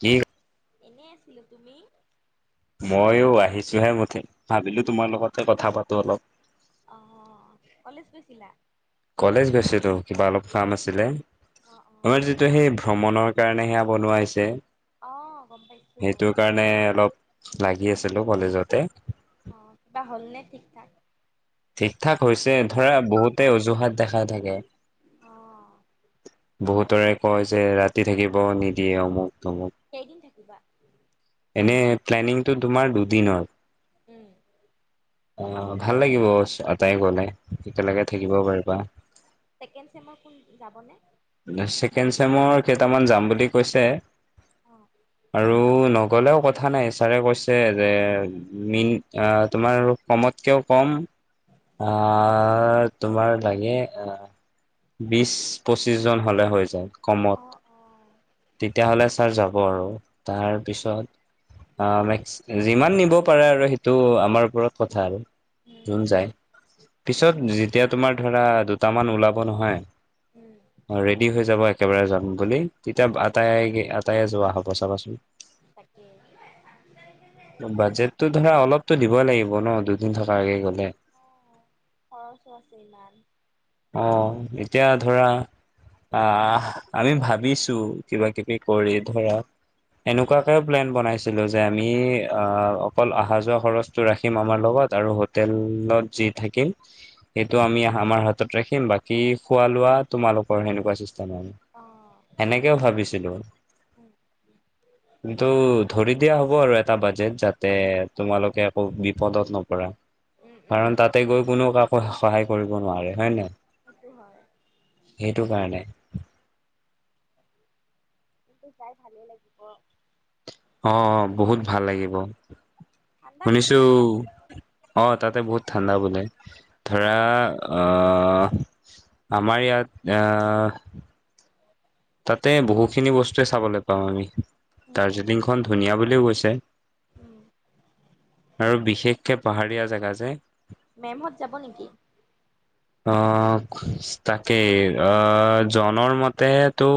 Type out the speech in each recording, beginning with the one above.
কি? এনেই আছিলো তুমি? ময়ো আহিছোহে উঠি। ভাবিলো তোমাৰ লগতে কথা পাতো অলপ। অ কলেজ গৈছিলোঁ। কলেজ গৈছিলো কিবা অলপ কাম আছিলে। অঁ অঁ আমাৰ যিটো সেই ভ্ৰমণৰ কাৰণে সেয়া বনোৱা হৈছে। অঁ গম পাইছোঁ সেইটো কাৰণে অলপ লাগি আছিলো কলেজত। তে অ কিবা হ'লনে থিক থাক। ঠিক ঠাক হৈছে ধৰা বহুতে অজুহাত দেখাই থাকে। অ। বহুতৰে কয় যে ৰাতি থাকিব নিদিয়ে অমোক কেইদিন থাকিবা? পেল্লেনিং টো তোমাৰ দুদিনৰ উম অ ভাল লাগিব ছটাই গ'লে একেলগে থাকিব পাৰিবা। চিকেন চেমৰ কোন যাবনে? ছেকেণ্ড চেমৰ কেইটামান যাম বুলি কৈছে। অঁ আৰু নক গ'লেও কথা নাই ছাৰে কৈছে যে মিন তোমাৰ কমতকৈও কম আত তোমাৰ দাগে আ বিশ পঁচিশ পঁচিছজন হ'লে হৈ যায়। কমত অঁ অঁ তেতিয়াহ'লে ছাৰ যাব আৰু তাৰপিছত আ মে্স যিমান নিব পাৰে আৰু সেইটো আমাৰ ওপৰত কথা আৰু উম জুন যায় পিছত যেতিয়া তোমাৰ ধৰা দুটামান ওলাব নহয় উম অ ৰেডি হৈ যাব একেবাৰে যাম বুলি উম যাব উম আতাইকে আক তাই যোৱা হ'ব তাকে চাবাচোন বাজেটতো ধৰা অলপ টো দিব লাগিব ন দুদিন থকাকে গ'লে অঁ খৰচো আছে ইমান। অ এতিয়া ধৰা আ আমি ভাবিছোঁ যে টো কিবা কিবি কৰি ধৰা এনেকুৱাকে প্লেন বনাইছিলো যে আমি আহ অকল অহা যোৱা খৰচটো ৰাখিম আমাৰ লগত আৰু হোটেলত যি থাকিম সেইটো আমি আমাৰ হাতত ৰাখিম। বাকি খোৱা লোৱা তোমালোকৰ সেনেকুৱা চিছ চনন অঁ সেনেকেও ভাবিছিলো উম কিন্তু ধৰি দিয়া হ'ব আৰু এটা বাজেট যাতে তোমালোকে একো বিপদত নপৰা উম কাৰণ উম তাতে গৈ কোনো কাক সহায় কৰিব নোৱাৰে হয়ে নাই? সেইটো হয় সেইটো কাৰণে কিন্তু যাই ভালে লাগিব অ বহুত ভাল লাগিব। ঠাণ্ডা নেকি শুনিছো এতিয়া অ তাতে বহুত ঠাণ্ডা বোলে ধৰা অঁ অহ আমাৰ ইয়াত এয়া তাতে বহুখিনি বস্তুৱে চাবলৈ পামও আমি। উম উম দাৰ্জিলিং খন ধুনীয়া বুলি কৈ উম [unintelligible] আৰু বিশেষ একে পাহাৰীয়া জেগা যে। মেমহঁত যাব নেকি? অ'! তাকেই অ'! জনোঁৱাৰ মতে, ত'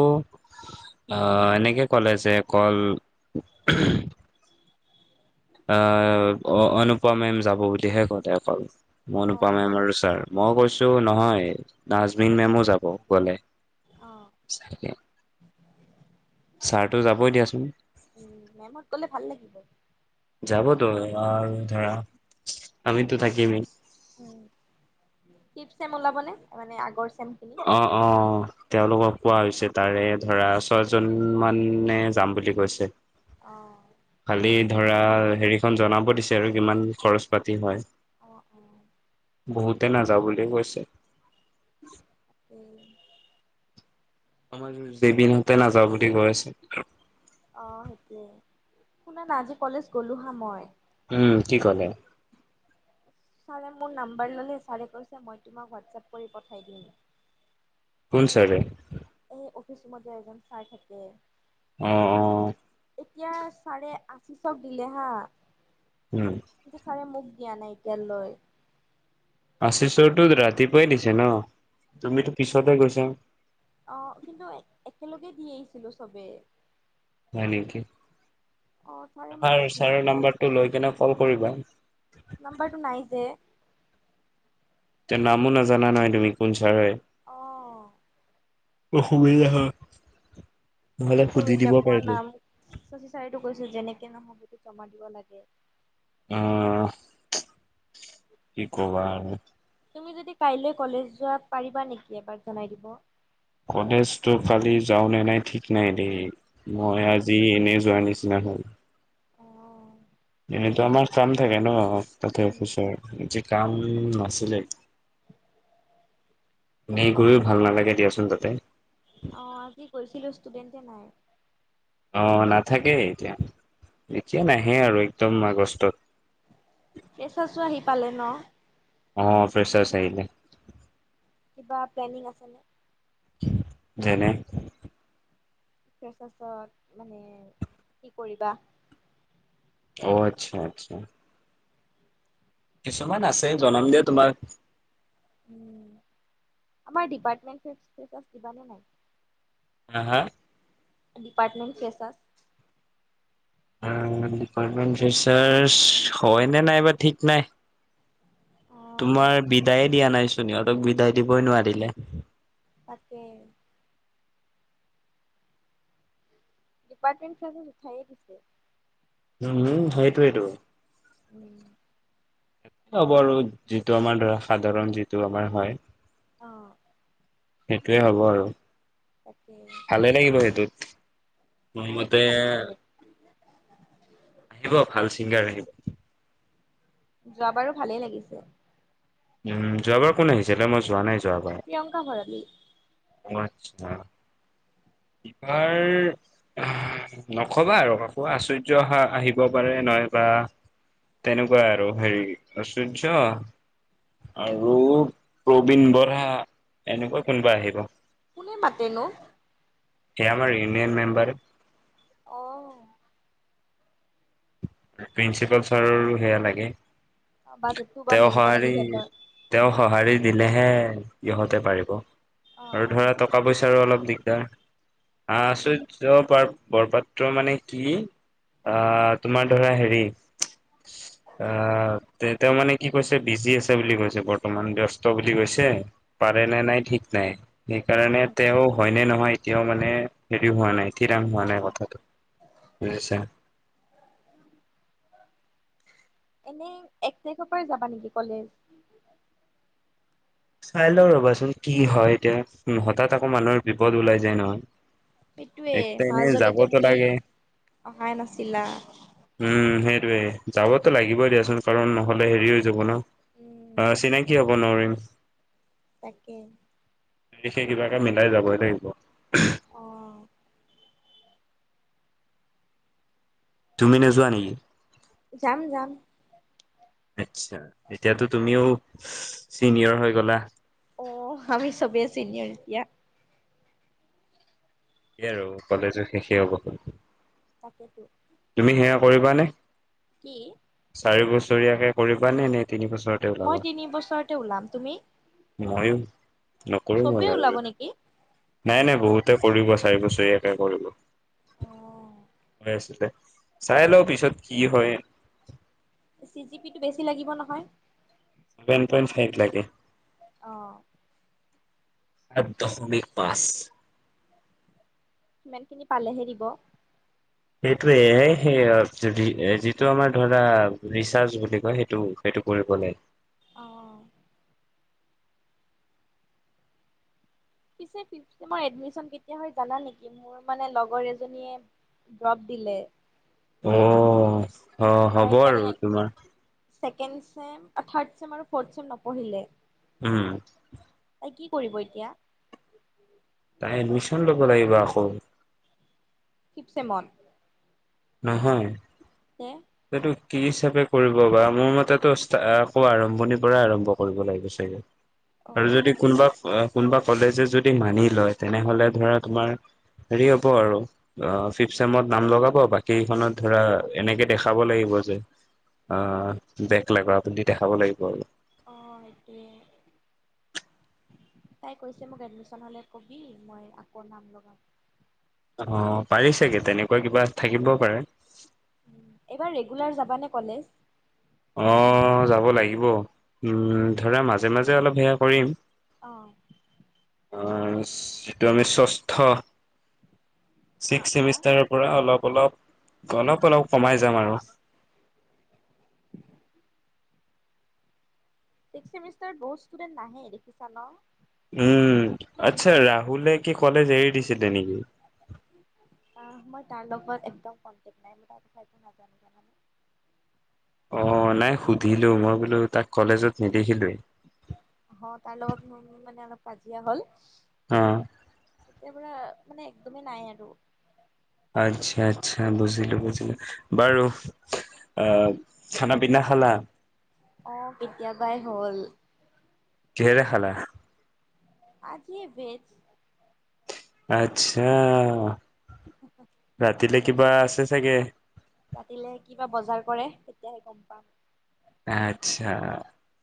আঁ এনেকে ক'লে যে, অকল আঁ অনুপা মেম যাব বুলিহে ক'লে অকল। অনুপা মেম অ', আৰু ছাৰ মই কৈছোঁ টো নহয় নাজমিন মেমো যাব গ'লে। অ'! চাগে ছাৰটো যাবই দিয়াচোন উম, মেমহঁত গ'লে ভাল লাগিব। যাবতো আৰু ধৰা আমিতো থাকিমেই। ফিফ্ট চেম ওলাবনে? মানে আগৰ চেমখিনি? অ'! অ'! তেওঁলোকক কোৱা হৈছে, তাৰে ধৰা ছয়জন মানে যাম বুলি কৈছে। অ'! খালি ধৰা হেৰিখন জনাব দিছে আৰু কিমান খৰচ পাতি হয়। অ'! অ'! বহুতে নাযাওঁ বুলিয়ে কৈছে। উম! আমাৰ জেবিনহঁতে নাযাওঁ বুলি কৈ আছে। অ'! সেইটোৱে, শুনা না! আজি কলেজ গলোঁ হা মই। উম! কি ক'লে? ছাৰে মোৰ নাম্বাৰ ল'লে। ছাৰে কৈছে, মই তোমাক হোৱাটছএপ কৰি পঠাই দিম। কোন ছাৰে? এই অফিচ ৰুমত যে এজন ছাৰ থাকে। অ'! অ'! এতিয়া, ছাৰে আশীষক দিলে হা! উম, কিকু চাৰে মোক দিয়া নাই এতিয়ালৈ। আশীষৰটো ৰাতিপুৱাই দিছে ন'। তুমিতো পিছতে গৈছা। অ'! কিন্তু, একেলগে দি আহিছিলোঁ চবেই। হয় নেকি? অ', ছাৰে মোক এবাৰ দিয়াই ছাৰৰ নাই, নম্বৰটো লৈ কেনে ক'ল কৰিবা। নাম্বাৰটো নাই যে। তেওঁ নামো নাজানা নহয় তুমি কোন ছাৰ হয়? অ'! অসুবিধা হয়। কি নহ'লে সুধি কৰোঁ দিব এতিয়া পাৰিলো কোৱানা? শশী ছাৰেটো কৈছিল যেনেক নহ'বতো জমা দিব লাগে। অঁ! [unintelligible] কি ক'বা আৰু। তুমি যদি কলেজ যোৱা কালৈ পাৰিবা নেকি এপাক জনাই দিব? কলেজতো কালি যাওঁ ন নাই ঠিক নাই দেই। অ মই আজি এনেই যোৱা নিছিনা। কিমান হল অ এইটো আমাৰ কাম থাকে ন? তাতে উম অফিচত যে কাম নাছিলে। ম কৰিও ভাল নালাগে দিয়াচোন তাতে অ কি কৰিছিলো ষ্টুডেণ্ট। নাই। অ নাথাকেই এতিয়া এতিয়া নাহে আৰু একদম আগষ্টত। ফ্ৰেচাৰ্ছো আহি পালে ন অ ফেচাৰ্চ আহিলে। কিবা প্লেনিং আছে ন? যেনে তাৰপিছত মানে কি কৰিবা। অ আচ্ছা আচ্ছা। কিছুমান আছে জনম দিয়া তোমাক। উ আমাৰ ডিপাৰ্টমেট আ দিব নে নাই। হা হা। ডিপাৰ্টমেট ফেছউবাচ। ডিপাৰ্টমেণ্ট ফিচাৰ হয় নে নাইবা ঠিক নাই। অ তোমাৰ বিদায়ে দিয়া নাই চোন সিহঁতক বিদায় দিবই নোৱাৰিলে। তাকে ডিপাৰ্টমেণ্ট ফে উঠাইে দিছে উম সেইটোৱ সেইটো। উম। হব আৰু যিটো আমাৰ ধৰা সাধাৰণ যিটো আমাৰ হয়। আহ সেইটোৱে হ'ব আৰু তাকে ভালে লাগিব সেইটোত। মোৰ অ মতে ভালেই লাগে। আহিব ভাল ছিংগাৰ আহিব যোৱ বাৰো ভালেই লাগিছে। উম যোৱ বাৰ কোন আহিছিলে মই যোৱা নাই। প্ৰিয়ংকা ভৰালী। অ আচ্ছা ইবাৰ নকবা আৰু ককো আশ্চৰ্য অহা আহিব পাৰে নহব তেনেকুৱা আৰু হেৰি আশৰ্য্য। উম আৰু প্ৰবীন বৰা এনেকুৱা কোনোবা আহিব। কোনে মাতেনো কম ইউনিয়ন মেম্বাৰ। আহ। প্ৰিন্সিপাল ছাৰৰো সেয়া লাগে। বাজেটটো বা তেওঁ মিলিব লাগে সঁহাৰি সিহঁতৰ তেওঁ সঁহাৰি দিলেহে সিহঁতে পাৰিব অ আৰু অ ধৰা টকা পইচাৰো অলপ দিগদাৰ আহ সেইটোৱে আচুৰ্য পা বৰপাত্ৰ মানে কি আ তোমাৰ ধৰা হেৰি আহ তে তেওঁ মানে কি কৈছে বিজি আছে বুলি কৈছে বৰ্তমান ব্যস্ত বুলি কৈছে পাৰে উম নে নাই ঠিক নাই সেইকাৰণে উম তেওঁ হয় নে নহয় এতিয়াও মানে হেৰি হোৱা নাই ঠিৰাং হোৱা অ নাই কথাটো বুজিছা। এনেই এক তাৰিখৰ পৰাই যাবা নেকি কলেজ চাই ল ৰবাচোন কি হয় এতিয়া হঠাৎ আকৌ মানুহৰ বিপদ ওলাই যায় নহয় সেইটোয়ে এক এনে মাজতেতো যাবতো তুমি লাগে অহাই নাছিলা সেইটোয়েই যাবতো লাগিবই দিয়াচোন কাৰণ নহ'লে হেৰি হৈ যাব ন উম অ চিনাকি হ'ব নোৱাৰিম তাকে সেই কিবাকে মিলাই যাবই লাগিব অ তুমি নোযোৱা নেকি যাম যাম আতছা এতিয়াতো তুমিও চিনিয়ৰ হৈ গলা অ আমি চবে চিনিয়ৰে দিয়া সেই আৰু কলেজো শেষেই হ'ব হল তাকেতো তুমি সেয়া কৰিবা নে কি চাৰি বছৰীয়াকে কৰিবা নে নে তিনি বছৰতে ওলাবা মই তিনি বছৰতে ওলাম তুমি মইও নকৰো মই চবেই ওলাব আৰু নেকি নাই নাই বহুতে কৰিব চাৰি বছৰ একে কৰিলো অ কৈ আছিলে চাই লও পিছত কি হয় চি জি পি টো বেছি লাগিব নহয় ছেভেন পইণ্ট ফাইভ লাগে অ সাত দশমিক পাঁচ সিমান খিনি পালেহে দিব সেইটোৱে হে যিটো আমাৰ ধৰা ৰিচাৰ্চ বুলি কয় সেইটো সেইটো কৰিব লাগে অ পিছে ফিপ চেমৰ এডমিছন কেতিয়া হয় জানা নেকি মোৰ মানে লগৰ এজনিয়ে ড্ৰপ দিলে অহ অ তাই হ'ব মানে আৰু তোমাৰ ছেকেণ্ড চেম থাৰ্ড চেম আৰু ফৰ্ট চেম নপঢ়িলে উম কি কৰিব এতিয়া? কৰিব লাগিব আকৌ ফিপচেমত নহয়। সেইটো কি হিচাপে। কৰিব বা মোৰ মতে আকৌ আৰম্ভণিৰ পৰা আৰম্ভ কৰিব লাগিব চাগে। আৰু যদি অ' কোনোবা কোনোবা কলেজে যদি মানি লয় তেনেহ'লে ধৰা তোমাৰ হেৰি হ'ব আৰু ফিফ চছেমত নাম লগাব বাক- কেইখনত ধৰা এনেকে দেখাব লাগিব, যে অ বেগ লাগা বুলি দেখাব লাগিব আৰু অ সেইটোৱে তাই কৈছে মোক এডমিশ্যন হলে কবি মই আকৌ নাম লগাম। অ পাৰি ছাগে তেনেকুৱা কিবা থাকিব পাৰে। এইবাৰ ৰেগুলাৰ যাবা নে কলেজ অ যাব লাগিব উম ধৰা মাজে মাজে অলপ সেয়া কৰিম। আহ অ যিটো আমি ষষ্ঠ হা ছিক্স হা চেমিষ্টাৰৰ পৰা অলপ অলপ অলপ অলপ কমাই যাম আৰু অ' ছিক্স চেমিষ্টাৰ বহুত ইস্তোদেন নাহে দেখিছা ন। উম আত্চ্ছা ৰাহুলে কি কলেজ এৰি দিছিল। দে নেকি আহ মই তাৰ লগত একদম কনটেক্ট নাই মই তাৰ কথা একো নাজানো জানানে। অ নাই সুধিলো মই বোলো তাক কলেজত নিদ- অ তাৰ লগত মই মানে অলপ কাজিয়া হ'ল অ', এতিয়া পৰা মানে একদমেই নাই আৰু আচ্ছা আচ্ছা বুজিলো বুজিলো বাৰু আ খানা পিনা খালা? আহ কেতিয়াবাই হল। কিহেৰে খালা আজি ভেজ। আত্চ্ছা ৰাতিলে কিবা আছে চাগে। ৰাতিলে কিবা বজাৰ কৰে তেতিয়াহে গম পাম। আচ্ছা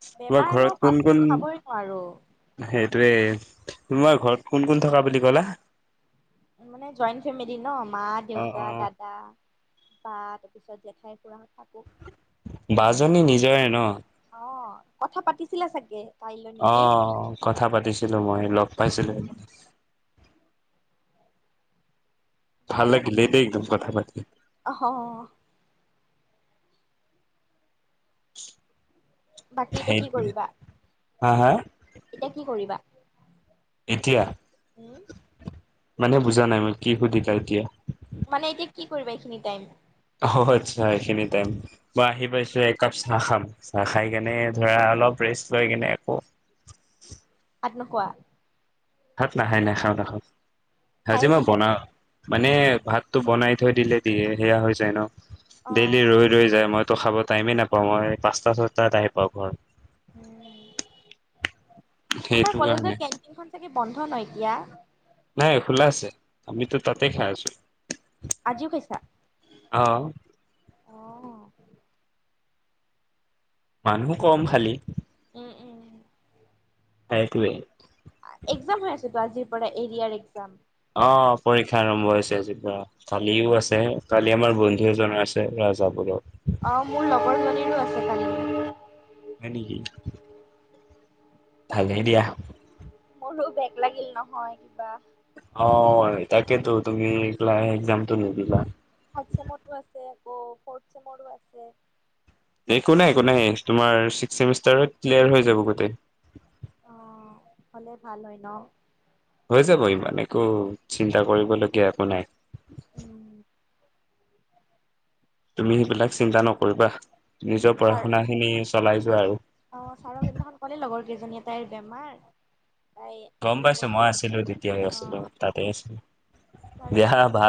তোমাৰ বেমাৰ ন ঘৰত কোন ফাষ্ট ফুড কোন খাবই নোৱাৰো সেইটোৱে তোমাৰ ঘৰত কোন কোন থকা বুলি ক'লা? মানে জইণ্ট ফেমিলি ন মা অ দেউতা অ দাদা। বা তাৰ পিছত জেঠাই খুৰা। বাজনী নিজৰে ন। অ কথা পাতিছিলা চাগে। কাইলৈ নেকি আহ কথা পাতিছিলো মই লগ অ পাইছিলে। বা ভাল এতিয়া লাগিলে এই দেই নাথাকে একদম কথা পাতি। অ [unintelligible] বাকী এতিয়া কি সেইটোৱে কৰিবা। হা হা। এতিয়া কি কৰিবা। এতিয়া। উম মানে বুজা নাই মই কি সুধিলা এতিয়া। মানে এতিয়া কি কৰিবা এইখিনি টাইম। অ আচ্ছা এইখিনি টাই মই আহি পাইছো একাপ চাহ খাম চাহ খাই কেনে ধৰা অলপ ৰেষ্ট লৈ কেনে। কেনেকুৱা। ভাত নাই না খাওঁ না খাওঁ। খাই আজি মই আহিছা চাগে বনাম। মানে ভাততটো বনাই থৈ দিলে দিয়ে সেয়া হৈ যায় ন। অ ডেইলি ৰৈ ৰৈ যায় মই। তো খাব টাইমেই নাপাওঁ মই পাঁচটা ছয়টাত আহি পাওঁ ঘৰ। আমাৰ সেইটো কলেজ গ কাৰণে কেটিনখন চাগে। বন্ধ ন এতিয়া। নাই খোলা আছে আমিত তাতেই খাই আছো। আজিও খাইছা। অ অ মানুহ কম খালি। উম উম। সটোৱে। একজাম হৈ আছো আজিৰ পৰা এৰিয়াৰ একজাম। অ পৰীক্ষা আৰম্ভ হৈছে আজিৰপৰা কালিও আছে কালি আমাৰ বন্ধু এ জনাই আছে ৰাজ বোৰক। অ মোৰ লগৰজনীৰো আছে কালি। হয় নেকি। ভালেই দিয়া। মোৰো বেগ লাগিল নহয় কিবা। অ তাকেইেতো তুমি ক্ একজামটো নিদিলা। থাৰ্ড চেমৰো আছে আকৌ ফৰ্থ চেমৰো আছে। একো নাই একো নাই তোমাৰ সমষ্টাৰত ক্লিয়াৰ হৈ যাব গোটেই। অ হ'লে ভাল হয় ন। হৈ যাব ইমান একো চিন্তা কৰিবলগীয়া একো নাই। উম। তুমি সেইবিলাক চিন্তা নকৰিবা। নিজৰ পঢ়া-শুনা খিনি- চলাই যোৱা আৰু। অঁ চাৰক সেইদিনাখন কলেই লগৰ কেইজনীয়ে তাইৰ বেমাৰ। তাই গম আজি পাইছো মই পৰীক্ষাটো আছিলো, তেতিয়াই অ আছিলো তাতে আছিলো। ছাৰে দেহা ক'লে ভাল। বেগ